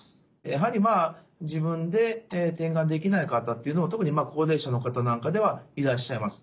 やはり自分で点眼できない方っていうのは特に高齢者の方なんかではいらっしゃいます。